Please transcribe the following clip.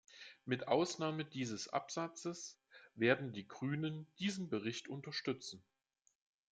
Mit Ausnahme dieses Absatzes werden die Grünen diesen Bericht unterstützen.